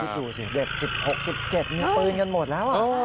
ดูสิเด็ก๑๖๑๗มีปืนกันหมดแล้ว